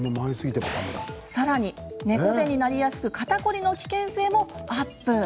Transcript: さらに、猫背になりやすく肩凝りの危険性もアップ。